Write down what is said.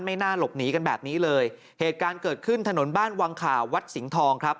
น่าหลบหนีกันแบบนี้เลยเหตุการณ์เกิดขึ้นถนนบ้านวังข่าววัดสิงห์ทองครับ